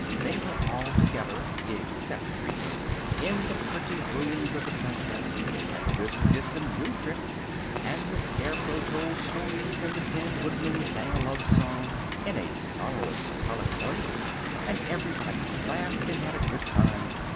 They were all together (except Eureka) in the pretty rooms of the Princess, and the Wizard did some new tricks, and the Scarecrow told stories, and the Tin Woodman sang a love song in a sonorous, metallic voice, and everybody laughed and had a good time.